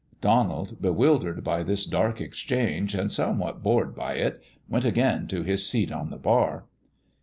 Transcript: Donald, bewildered by this dark exchange, and somewhat bored by it, went again to his seat on the bar.